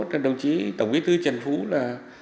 rồi đồng chí tổng bí thư trần phú là